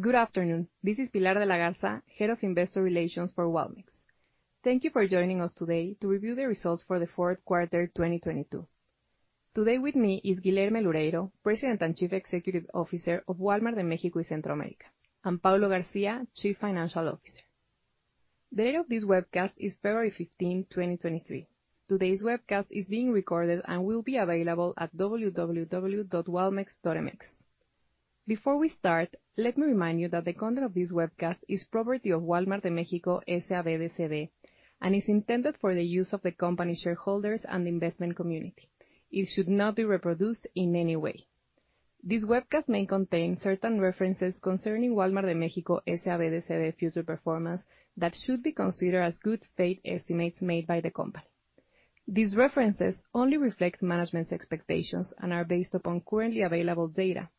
Good afternoon. This is Pilar de la Garza, Head of Investor Relations for Walmex. Thank you for joining us today to review the results for the fourth quarter, 2022. Today with me is Guilherme Loureiro, president and chief executive officer of Walmart de México y Centroamérica, and Paulo Garcia, chief financial officer. The date of this webcast is February 15, 2023. Today's webcast is being recorded and will be available at www.walmex.mx. Before we start, let me remind you that the content of this webcast is property of Wal-Mart de México, S.A.B. de C.V., and is intended for the use of the company shareholders and investment community. It should not be reproduced in any way. This webcast may contain certain references concerning Wal-Mart de México, S.A.B. de C.V. future performance that should be considered as good faith estimates made by the company. These references only reflect management's expectations and are based upon currently available data.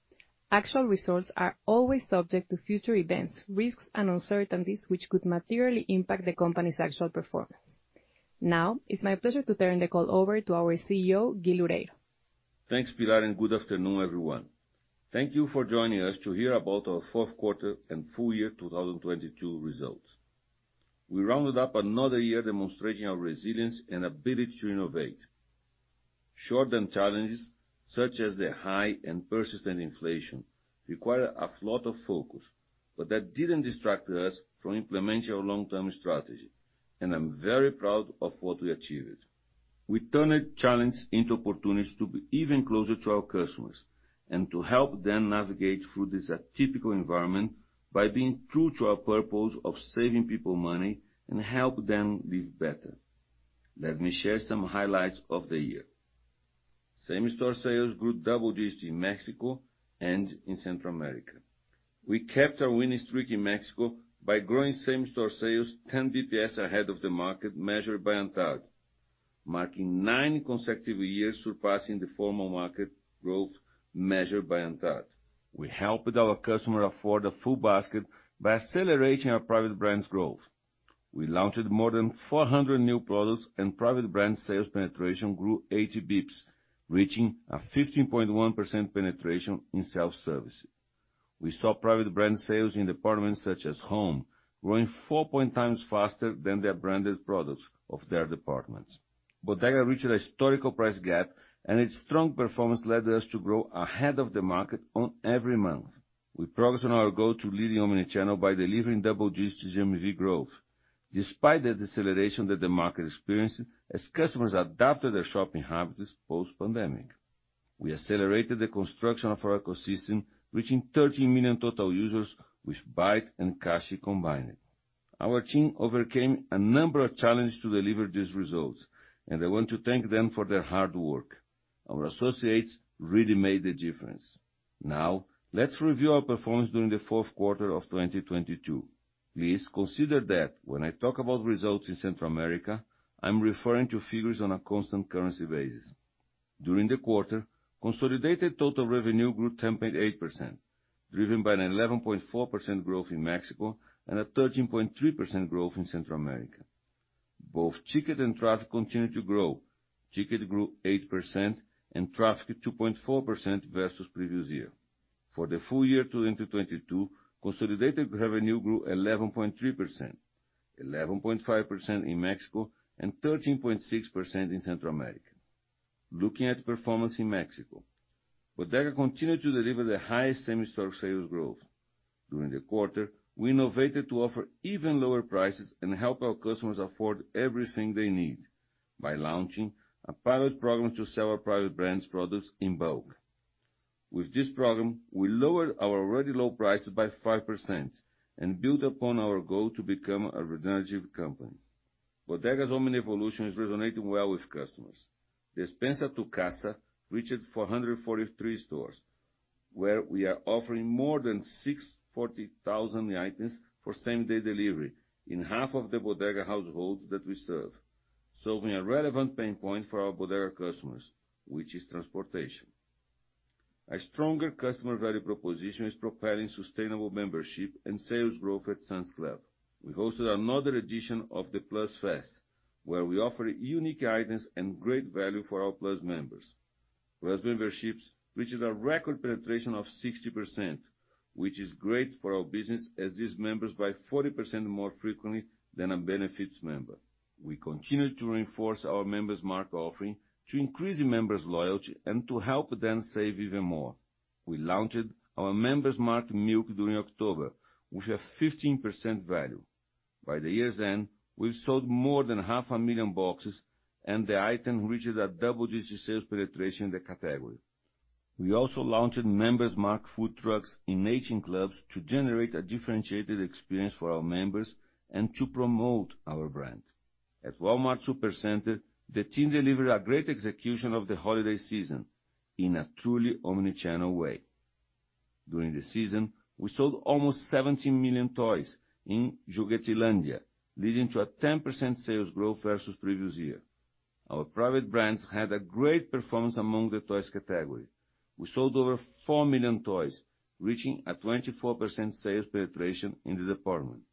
Actual results are always subject to future events, risks, and uncertainties which could materially impact the company's actual performance. Now, it's my pleasure to turn the call over to our CEO, Gui Loureiro. Thanks, Pilar. Good afternoon, everyone. Thank you for joining us to hear about our fourth quarter and full year 2022 results. We rounded up another year demonstrating our resilience and ability to innovate. Short-term challenges, such as the high and persistent inflation, required a lot of focus, but that didn't distract us from implementing our long-term strategy, and I'm very proud of what we achieved. We turned challenges into opportunities to be even closer to our customers and to help them navigate through this atypical environment by being true to our purpose of saving people money and help them live better. Let me share some highlights of the year. Same store sales grew double digits in Mexico and in Central America. We kept our winning streak in Mexico by growing same store sales 10 BPS ahead of the market measured by ANTAD, marking nine consecutive years surpassing the formal market growth measured by ANTAD. We helped our customers afford a full basket by accelerating our private brands growth. We launched more than 400 new products. Private brand sales penetration grew 80 BPS, reaching a 15.1% penetration in self-service. We saw private brand sales in departments such as home growing 4x faster than their branded products of their departments. Bodega reached a historical price gap. Its strong performance led us to grow ahead of the market on every month. We progressed on our goal to leading omnichannel by delivering double-digit GMV growth, despite the deceleration that the market experienced as customers adapted their shopping habits post-pandemic. We accelerated the construction of our ecosystem, reaching 13 million total users with Bait and Cashi combined. Our team overcame a number of challenges to deliver these results, and I want to thank them for their hard work. Our associates really made the difference. Let's review our performance during the fourth quarter of 2022. Please consider that when I talk about results in Central America, I'm referring to figures on a constant currency basis. During the quarter, consolidated total revenue grew 10.8%, driven by an 11.4% growth in Mexico and a 13.3% growth in Central America. Both ticket and traffic continued to grow. Ticket grew 8% and traffic 2.4% versus previous year. For the full year 2022, consolidated revenue grew 11.3%, 11.5% in Mexico and 13.6% in Central America. Looking at performance in Mexico, Bodega continued to deliver the highest same store sales growth. During the quarter, we innovated to offer even lower prices and help our customers afford everything they need by launching a pilot program to sell our private brands products in bulk. With this program, we lowered our already low prices by 5% and built upon our goal to become a regenerative company. Bodega's Omni evolution is resonating well with customers. Despensa a tu Casa reached 443 stores, where we are offering more than 640,000 items for same-day delivery in half of the Bodega households that we serve, solving a relevant pain point for our Bodega customers, which is transportation. A stronger customer value proposition is propelling sustainable membership and sales growth at Sam's Club. We hosted another edition of the PLUS Fest, where we offer unique items and great value for our Plus members. Plus memberships reaches a record penetration of 60%, which is great for our business as these members buy 40% more frequently than a Benefits member. We continue to reinforce our Member's Mark offering to increase members' loyalty and to help them save even more. We launched our Member's Mark milk during October with a 15% value. By the year's end, we've sold more than half a million boxes, and the item reaches a double-digit sales penetration in the category. We also launched Member's Mark food trucks in 18 clubs to generate a differentiated experience for our members and to promote our brand. At Walmart Supercenter, the team delivered a great execution of the holiday season in a truly omnichannel way. During the season, we sold almost 17 million toys in Juguetilandia, leading to a 10% sales growth versus previous year. Our private brands had a great performance among the toys category. We sold over 4 million toys, reaching a 24% sales penetration in the department.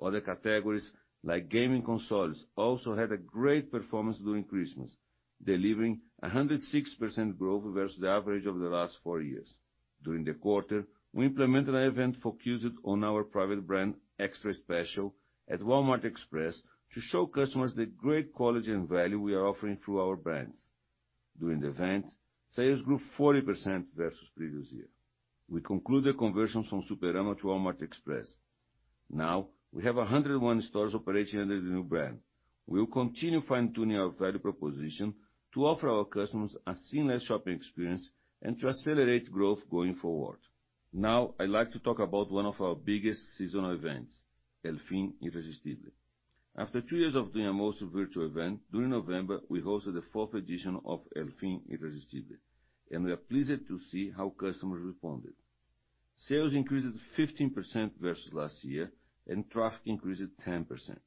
Other categories like gaming consoles also had a great performance during Christmas, delivering a 106% growth versus the average over the last four years. During the quarter, we implemented an event focused on our private brand, Extra Especial, at Walmart Express to show customers the great quality and value we are offering through our brands. During the event, sales grew 40% versus previous year. We conclude the conversions from Superama to Walmart Express. Now we have 101 stores operating under the new brand. We will continue fine-tuning our value proposition to offer our customers a seamless shopping experience and to accelerate growth going forward. Now I'd like to talk about one of our biggest seasonal events, El Fin Irresistible. After two years of doing a mostly virtual event, during November, we hosted the fourth edition of El Fin Irresistible, and we are pleased to see how customers responded. Sales increased 15% versus last year, and traffic increased 10%.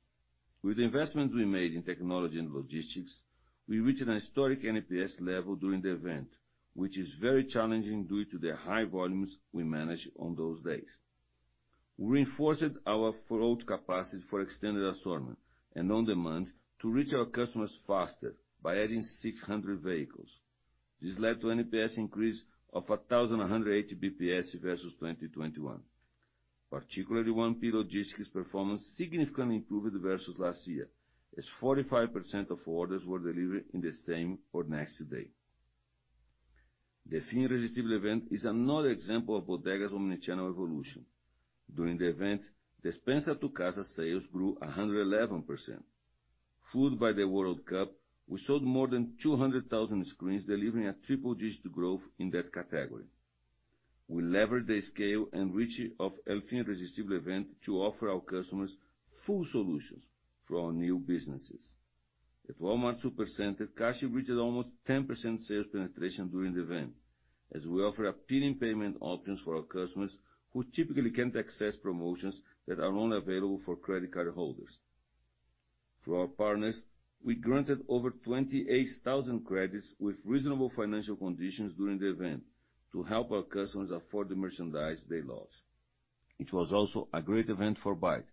With the investments we made in technology and logistics, we reached an historic NPS level during the event, which is very challenging due to the high volumes we manage on those days. We reinforced our float capacity for extended assortment and on-demand to reach our customers faster by adding 600 vehicles. This led to an NPS increase of 1,180 BPS versus 2021. Particularly 1P logistics performance significantly improved versus last year, as 45% of orders were delivered in the same or next day. El Fin Irresistible event is another example of Bodega's omnichannel evolution. During the event, Despensa a tu Casa sales grew 111%. Fueled by the World Cup, we sold more than 200,000 screens, delivering a triple-digit growth in that category. We levered the scale and reach of El Fin Irresistible event to offer our customers full solutions through our new businesses. At Walmart Supercenter, Cashi reached almost 10% sales penetration during the event, as we offer appealing payment options for our customers who typically can't access promotions that are only available for credit card holders. Through our partners, we granted over 28,000 credits with reasonable financial conditions during the event to help our customers afford the merchandise they love. It was also a great event for Bait.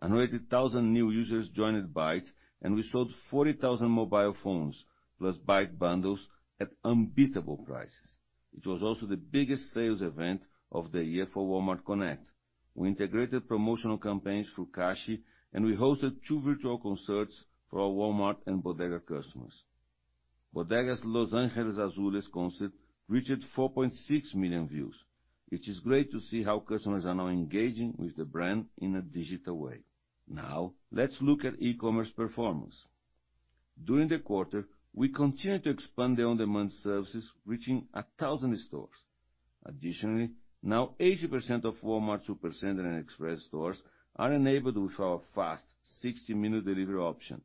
100,000 new users joined Bait, and we sold 40,000 mobile phones plus Bait bundles at unbeatable prices. It was also the biggest sales event of the year for Walmart Connect. We integrated promotional campaigns through Cashi, and we hosted two virtual concerts for our Walmart and Bodega customers. Bodega's Los Ángeles Azules concert reached 4.6 million views, which is great to see how customers are now engaging with the brand in a digital way. Let's look at e-commerce performance. During the quarter, we continued to expand the on-demand services, reaching 1,000 stores. Additionally, now 80% of Walmart Supercenter and Express stores are enabled with our fast 60-minute delivery option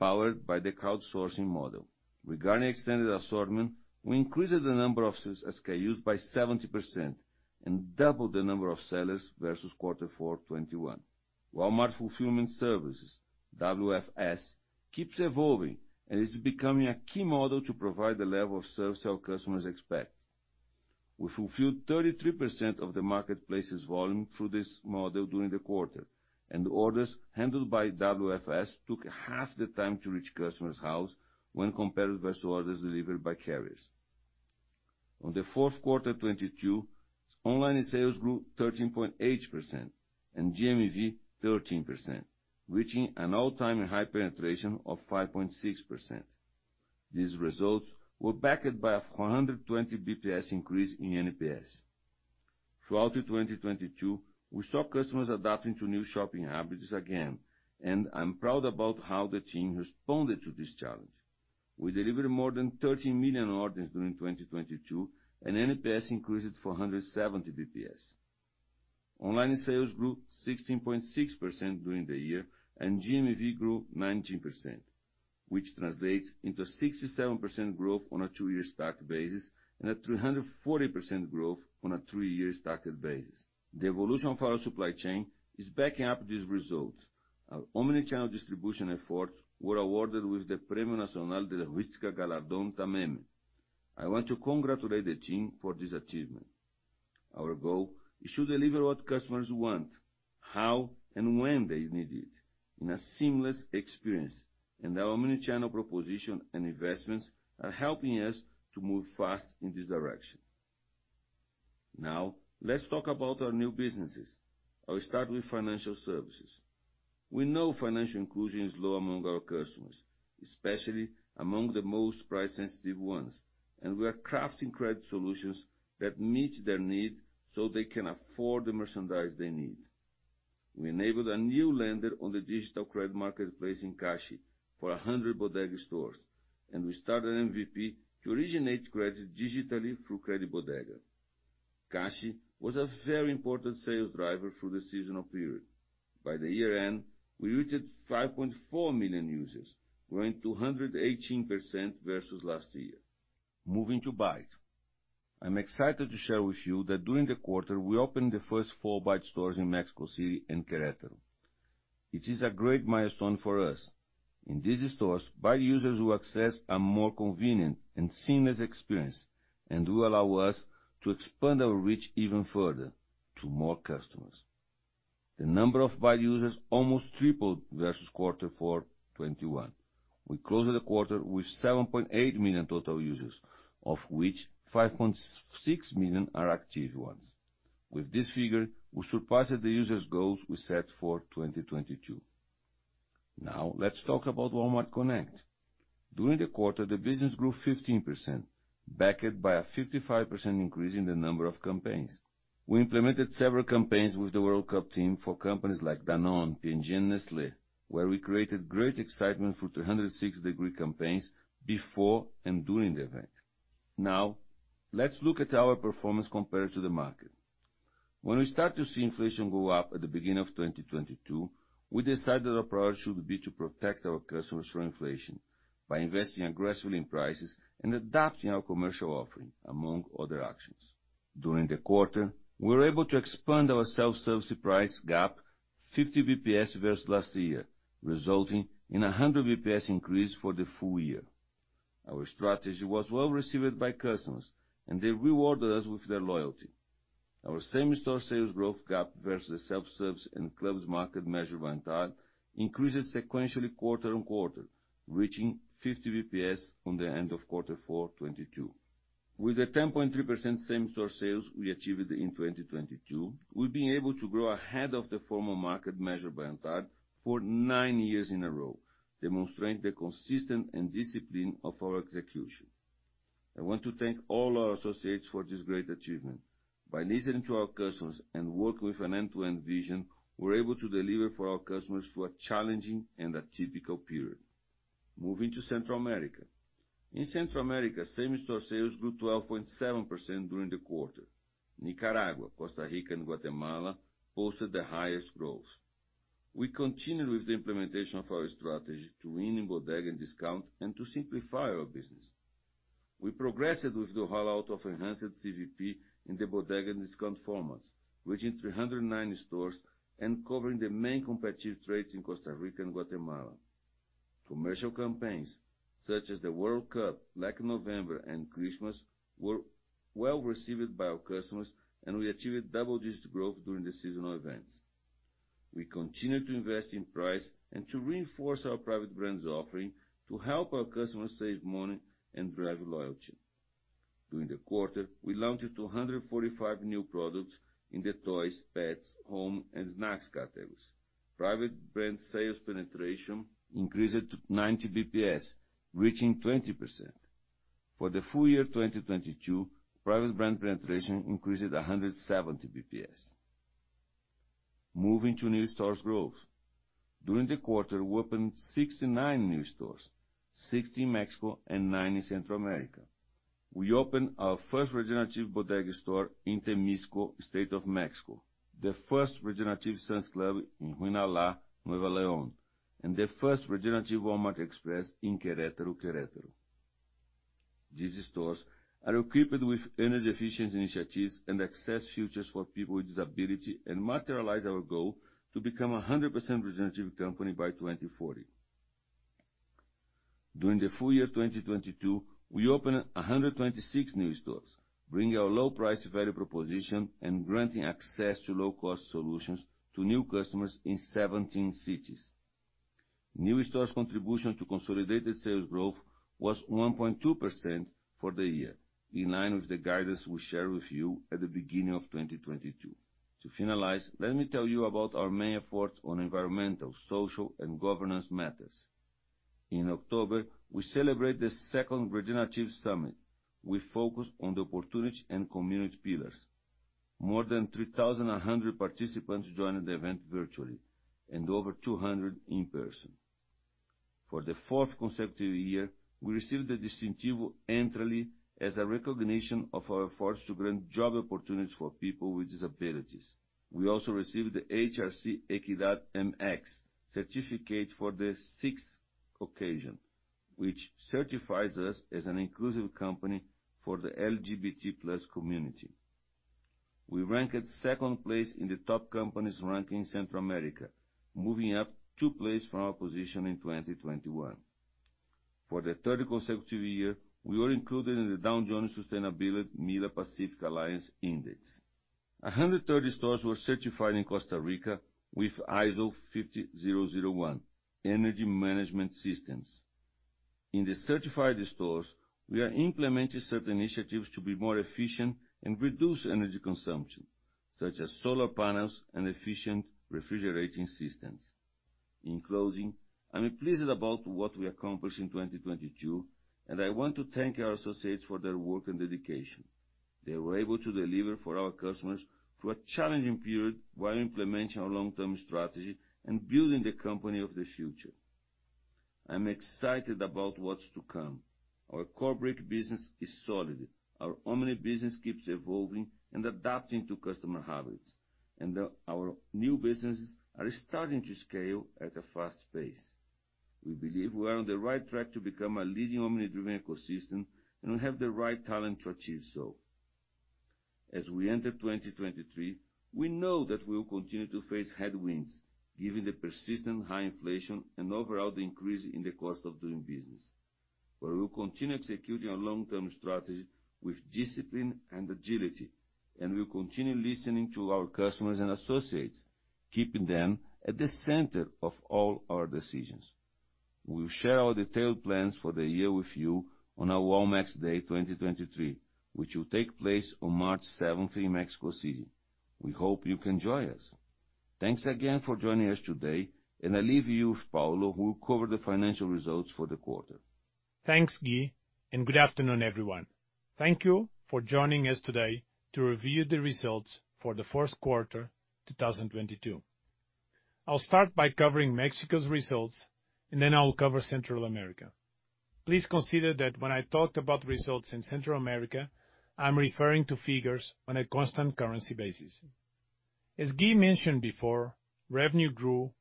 powered by the crowdsourcing model. Regarding extended assortment, we increased the number of SKUs by 70% and doubled the number of sellers versus quarter four 2021. Walmart Fulfillment Services, WFS, keeps evolving and is becoming a key model to provide the level of service our customers expect. We fulfilled 33% of the marketplace's volume through this model during the quarter, and the orders handled by WFS took half the time to reach customers' house when compared versus orders delivered by carriers. On the fourth quarter 2022, online sales grew 13.8% and GMV 13%, reaching an all-time high penetration of 5.6%. These results were backed by a 420 BPS increase in NPS. Throughout 2022, we saw customers adapting to new shopping habits again, I'm proud about how the team responded to this challenge. We delivered more than 13 million orders during 2022, NPS increased 470 BPS. Online sales grew 16.6% during the year, GMV grew 19%, which translates into a 67% growth on a two-year stacked basis and a 340% growth on a three-year stacked basis. The evolution of our supply chain is backing up these results. Our omnichannel distribution efforts were awarded with the Premio Nacional de Logística Galardón Tameme. I want to congratulate the team for this achievement. Our goal is to deliver what customers want, how and when they need it, in a seamless experience, Our omnichannel proposition and investments are helping us to move fast in this direction. Let's talk about our new businesses. I'll start with financial services. We know financial inclusion is low among our customers, especially among the most price-sensitive ones. We are crafting credit solutions that meet their need so they can afford the merchandise they need. We enabled a new lender on the digital credit marketplace in Cashi for 100 Bodega stores. We started MVP to originate credit digitally through CrediBodega. Cashi was a very important sales driver through the seasonal period. By the year-end, we reached 5.4 million users, growing 218% versus last year. Moving to Bait. I'm excited to share with you that during the quarter, we opened the first 4 Bait stores in Mexico City and Querétaro. It is a great milestone for us. In these stores, Bait users will access a more convenient and seamless experience and will allow us to expand our reach even further to more customers. The number of Bait users almost tripled versus quarter 4 2021. We closed the quarter with 7.8 million total users, of which 5.6 million are active ones. With this figure, we surpasses the users goals we set for 2022. Let's talk about Walmart Connect. During the quarter, the business grew 15%, backed by a 55% increase in the number of campaigns. We implemented several campaigns with the World Cup team for companies like Danone, P&G, and Nestlé, where we created great excitement for 360-degree campaigns before and during the event. Let's look at our performance compared to the market. When we start to see inflation go up at the beginning of 2022, we decided our priority should be to protect our customers from inflation by investing aggressively in prices and adapting our commercial offering, among other actions. During the quarter, we were able to expand our self-service price gap 50 basis points versus last year, resulting in a 100 basis points increase for the full year. Our strategy was well received by customers and they rewarded us with their loyalty. Our same-store sales growth gap versus self-service and clubs market measured by ANTAD increases sequentially quarter-on-quarter, reaching 50 basis points on the end of quarter four 2022. With the 10.3% same-store sales we achieved in 2022, we've been able to grow ahead of the formal market measured by ANTAD for nine years in a row, demonstrating the consistent and discipline of our execution. I want to thank all our associates for this great achievement. By listening to our customers and working with an end-to-end vision, we're able to deliver for our customers through a challenging and atypical period. Moving to Central America. In Central America, same-store sales grew 12.7% during the quarter. Nicaragua, Costa Rica and Guatemala posted the highest growth. We continued with the implementation of our strategy to win in Bodega and discount and to simplify our business. We progressed with the rollout of enhanced CVP in the Bodega discount formats, reaching 309 stores and covering the main competitive trades in Costa Rica and Guatemala. Commercial campaigns such as the World Cup, Black November and Christmas were well received by our customers and we achieved double-digit growth during the seasonal events. We continue to invest in price and to reinforce our private brands offering to help our customers save money and drive loyalty. During the quarter, we launched 245 new products in the toys, pets, home and snacks categories. Private brand sales penetration increased to 90 basis points reaching 20%. For the full year 2022, private brand penetration increased 170 basis points. Moving to new stores growth. During the quarter, we opened 69 new stores, 60 in Mexico and nine in Central America. We opened our first regenerative Bodega store in Temixco, State of Morelos, the first regenerative Sam's Club in Reynosa, Tamaulipas, and the first regenerative Walmart Express in Querétaro. These stores are equipped with energy efficient initiatives and access features for people with disability and materialize our goal to become a 100% regenerative company by 2040. During the full year 2022, we opened 126 new stores, bringing our low price value proposition and granting access to low cost solutions to new customers in 17 cities. New stores contribution to consolidated sales growth was 1.2% for the year, in line with the guidance we shared with you at the beginning of 2022. To finalize, let me tell you about our main efforts on environmental, social and governance matters. In October, we celebrate the second Regenerative Summit. We focus on the opportunity and community pillars. More than 3,100 participants joined the event virtually and over 200 in person. For the fourth consecutive year, we received the Distintivo Emplea as a recognition of our efforts to grant job opportunities for people with disabilities. We also received the HRC Equidad MX certificate for the sixth occasion, which certifies us as an inclusive company for the LGBT+ community. We ranked second place in the top companies ranking Central America, moving up two place from our position in 2021. For the third consecutive year, we were included in the Dow Jones Sustainability MILA Pacific Alliance Index. 130 stores were certified in Costa Rica with ISO 50001 energy management systems. In the certified stores, we are implementing certain initiatives to be more efficient and reduce energy consumption, such as solar panels and efficient refrigerating systems. In closing, I'm pleased about what we accomplished in 2022, I want to thank our associates for their work and dedication. They were able to deliver for our customers through a challenging period while implementing our long-term strategy and building the company of the future. I'm excited about what's to come. Our core brick business is solid. Our omnibusiness keeps evolving and adapting to customer habits, and our new businesses are starting to scale at a fast pace. We believe we are on the right track to become a leading omni-driven ecosystem, and we have the right talent to achieve so. As we enter 2023, we know that we will continue to face headwinds, given the persistent high inflation and overall the increase in the cost of doing business. We will continue executing our long-term strategy with discipline and agility, and we'll continue listening to our customers and associates, keeping them at the center of all our decisions. We'll share our detailed plans for the year with you on our Walmex Day 2023, which will take place on March 7 in Mexico City. We hope you can join us. Thanks again for joining us today, and I leave you with Paulo, who will cover the financial results for the quarter. Thanks, Gui, good afternoon, everyone. Thank you for joining us today to review the results for the first quarter 2022. I'll start by covering Mexico's results, then I will cover Central America. Please consider that when I talk about results in Central America, I'm referring to figures on a constant currency basis. As Gui mentioned before, revenue grew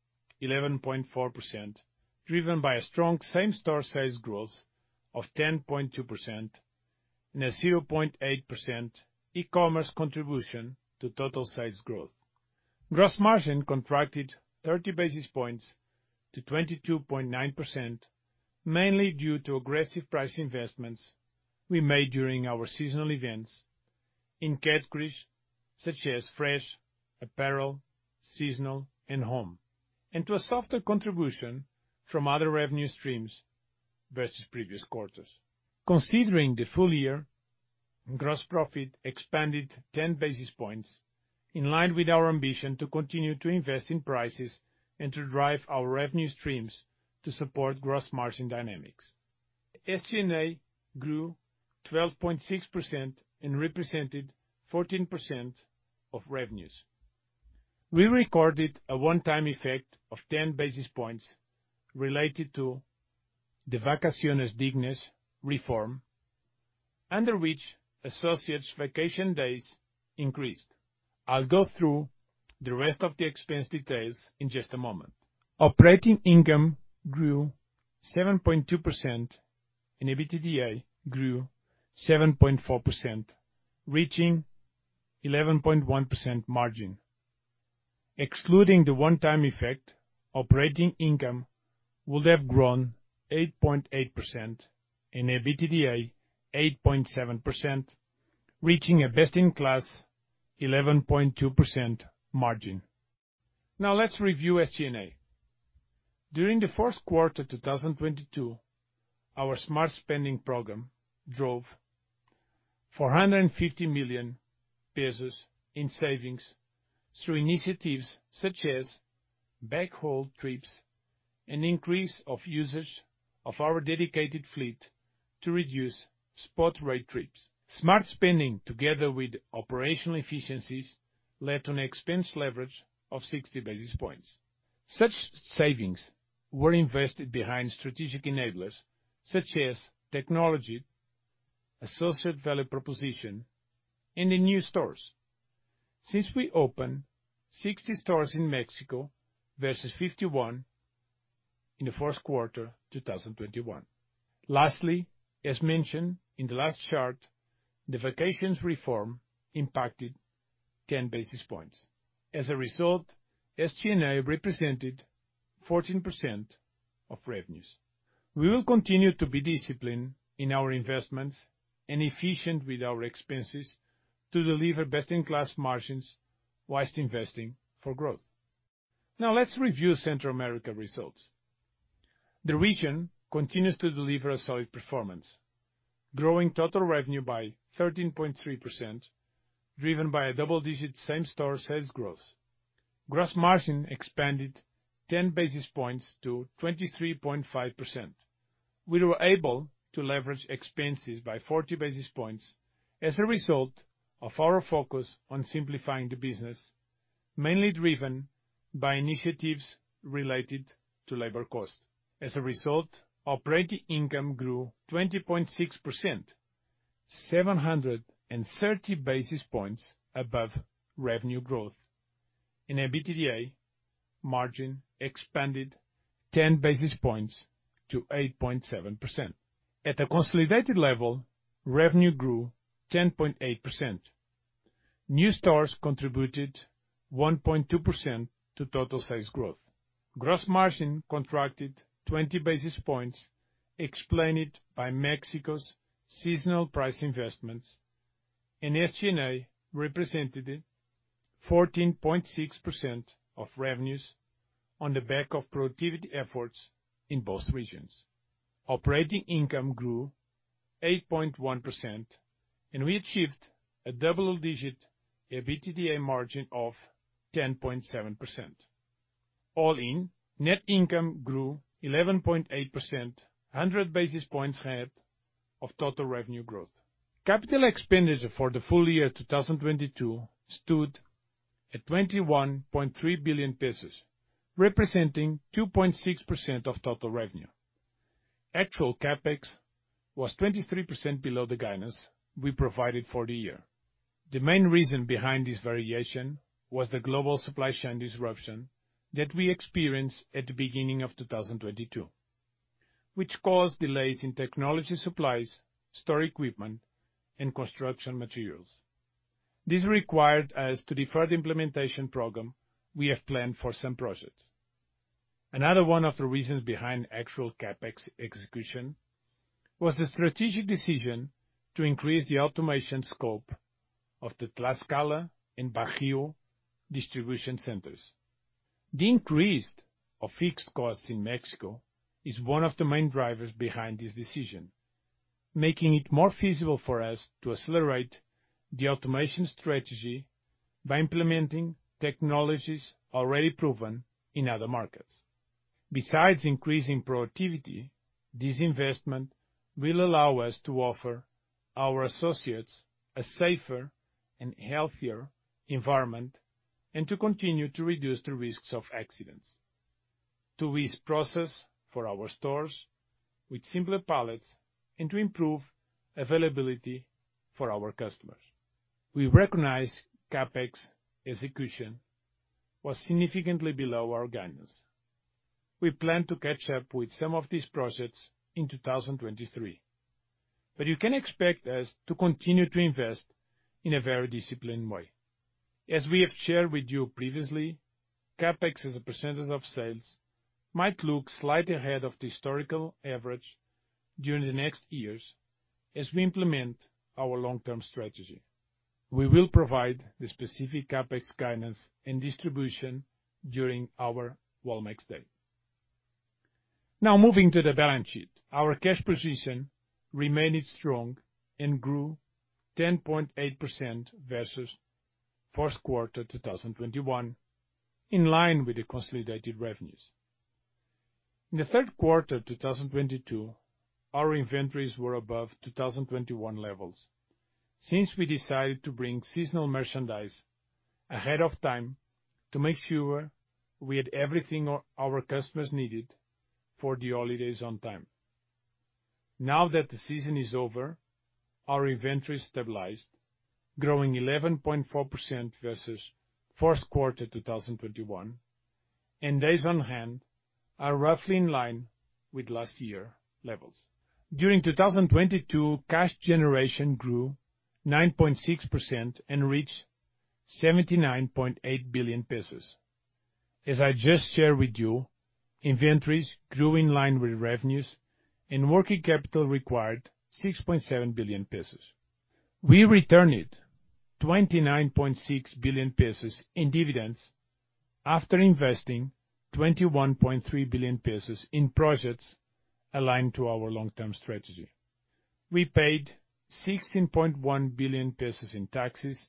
11.4%, driven by a strong same-store sales growth of 10.2% and a 0.8% e-commerce contribution to total sales growth. Gross margin contracted 30 basis points to 22.9%, mainly due to aggressive price investments we made during our seasonal events in categories such as fresh, apparel, seasonal, and home, and to a softer contribution from other revenue streams versus previous quarters. Considering the full year, gross profit expanded 10 basis points in line with our ambition to continue to invest in prices and to drive our revenue streams to support gross margin dynamics. SG&A grew 12.6% and represented 14% of revenues. We recorded a one-time effect of 10 basis points related to the Vacaciones Dignas reform, under which associates' vacation days increased. I'll go through the rest of the expense details in just a moment. Operating income grew 7.2%, and EBITDA grew 7.4%, reaching 11.1% margin. Excluding the one-time effect, operating income would have grown 8.8% and EBITDA 8.7%, reaching a best-in-class 11.2% margin. Let's review SG&A. During the first quarter 2022, our smart spending program drove 450 million pesos in savings through initiatives such as backhaul trips and increase of usage of our dedicated fleet to reduce spot rate trips. Smart spending, together with operational efficiencies, led to an expense leverage of 60 basis points. Such savings were invested behind strategic enablers such as technology, associate value proposition, and in new stores, since we opened 60 stores in Mexico versus 51 in the first quarter 2021. Lastly, as mentioned in the last chart, the vacations reform impacted 10 basis points. As a result, SG&A represented 14% of revenues. We will continue to be disciplined in our investments and efficient with our expenses to deliver best-in-class margins whilst investing for growth. Now let's review Central America results. The region continues to deliver a solid performance, growing total revenue by 13.3%, driven by a double-digit same-store sales growth. Gross margin expanded 10 basis points to 23.5%. We were able to leverage expenses by 40 basis points as a result of our focus on simplifying the business, mainly driven by initiatives related to labor cost. As a result, operating income grew 20.6%, 730 basis points above revenue growth. EBITDA margin expanded 10 basis points to 8.7%. At a consolidated level, revenue grew 10.8%. New stores contributed 1.2% to total sales growth. Gross margin contracted 20 basis points, explained by Mexico's seasonal price investments, SG&A represented 14.6% of revenues on the back of productivity efforts in both regions. Operating income grew 8.1%, we achieved a double-digit EBITDA margin of 10.7%. All in, net income grew 11.8%, 100 basis points ahead of total revenue growth. Capital expenditure for the full year 2022 stood at 21.3 billion pesos, representing 2.6% of total revenue. Actual CapEx was 23% below the guidance we provided for the year. The main reason behind this variation was the global supply chain disruption that we experienced at the beginning of 2022, which cause delays in technology supplies, store equipment, and construction materials. This required us to defer the implementation program we have planned for some projects. Another one of the reasons behind actual CapEx execution was the strategic decision to increase the automation scope of the Tlaxcala and Bajío distribution centers. The increase of fixed costs in Mexico is one of the main drivers behind this decision, making it more feasible for us to accelerate the automation strategy by implementing technologies already proven in other markets. Besides increasing productivity, this investment will allow us to offer our associates a safer and healthier environment, and to continue to reduce the risks of accidents, to ease process for our stores with simpler pallets, and to improve availability for our customers. We recognize CapEx execution was significantly below our guidance. We plan to catch up with some of these projects in 2023. You can expect us to continue to invest in a very disciplined way. As we have shared with you previously, CapEx as a percentage of sales might look slightly ahead of the historical average during the next years as we implement our long-term strategy. We will provide the specific CapEx guidance and distribution during our Walmex Day. Now, moving to the balance sheet. Our cash position remained strong and grew 10.8% versus first quarter 2021, in line with the consolidated revenues. In the third quarter 2022, our inventories were above 2021 levels, since we decided to bring seasonal merchandise ahead of time to make sure we had everything our customers needed for the holidays on time. Now that the season is over, our inventory stabilized, growing 11.4% versus first quarter 2021, and days on hand are roughly in line with last year levels. During 2022, cash generation grew 9.6% and reached 79.8 billion pesos. As I just shared with you, inventories grew in line with revenues, and working capital required 6.7 billion pesos. We returned 29.6 billion pesos in dividends after investing 21.3 billion pesos in projects aligned to our long-term strategy. We paid 16.1 billion pesos in taxes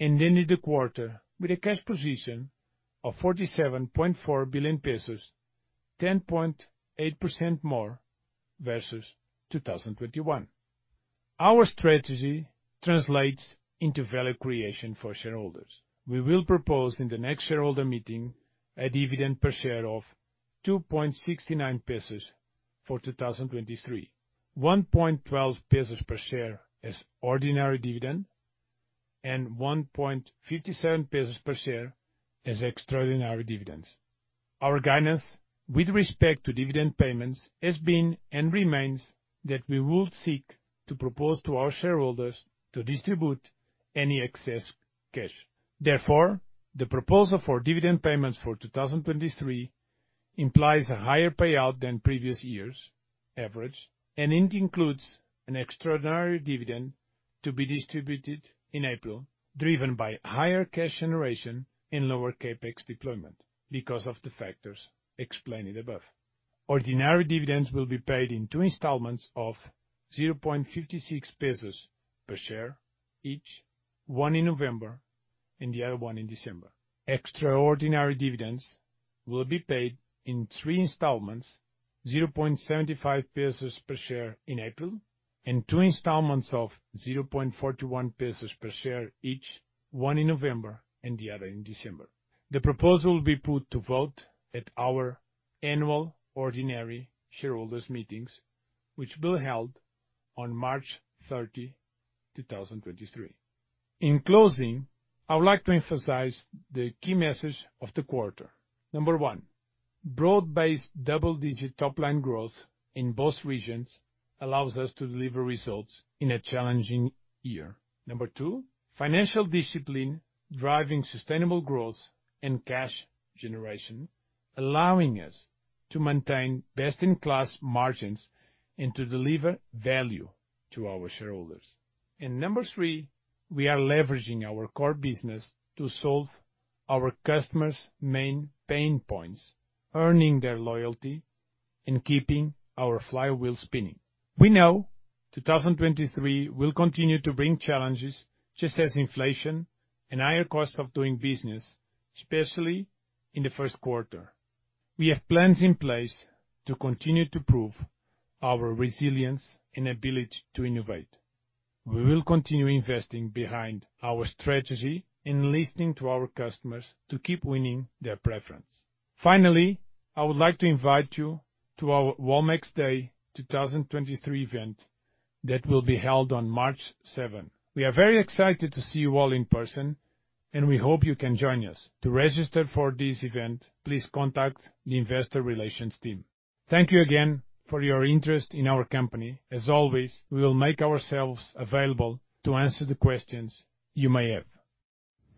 and ended the quarter with a cash position of 47.4 billion pesos, 10.8% more versus 2021. Our strategy translates into value creation for shareholders. We will propose in the next shareholder meeting a dividend per share of 2.69 pesos for 2023. 1.12 pesos per share as ordinary dividend, and 1.57 pesos per share as extraordinary dividends. Our guidance with respect to dividend payments has been and remains that we will seek to propose to our shareholders to distribute any excess cash. The proposal for dividend payments for 2023 implies a higher payout than previous years' average, and it includes an extraordinary dividend to be distributed in April, driven by higher cash generation and lower CapEx deployment because of the factors explained above. Ordinary dividends will be paid in two installments of 0.56 pesos per share each, one in November and the other one in December. Extraordinary dividends will be paid in three installments, 0.75 pesos per share in April, and two installments of 0.41 pesos per share each, one in November and the other in December. The proposal will be put to vote at our Annual Ordinary Shareholders Meetings, which will held on March 30, 2023. In closing, I would like to emphasize the key message of the quarter. Number one, broad-based double-digit top-line growth in both regions allows us to deliver results in a challenging year. Number two, financial discipline driving sustainable growth and cash generation, allowing us to maintain best-in-class margins and to deliver value to our shareholders. Number three, we are leveraging our core business to solve our customers' main pain points, earning their loyalty and keeping our flywheel spinning. We know 2023 will continue to bring challenges, just as inflation and higher costs of doing business, especially in the first quarter. We have plans in place to continue to prove our resilience and ability to innovate. We will continue investing behind our strategy and listening to our customers to keep winning their preference. Finally, I would like to invite you to our Walmex Day 2023 event that will be held on March 7. We are very excited to see you all in person, and we hope you can join us. To register for this event, please contact the investor relations team. Thank you again for your interest in our company. As always, we will make ourselves available to answer the questions you may have.